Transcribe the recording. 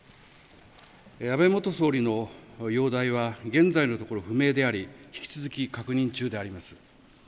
安倍元総理の容体は現在のところ不明であり引き続き確認中であります。